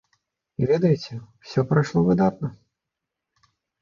І ведаеце, усё прайшло выдатна!